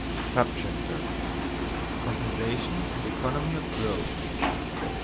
_Compensation and Economy of Growth.